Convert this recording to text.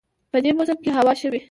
په دې موسم کې هوا ښه وي